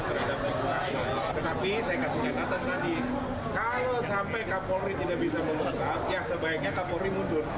tetapi saya kasih catatan tadi kalau sampai kak polri tidak bisa melukak ya sebaiknya kak polri mundur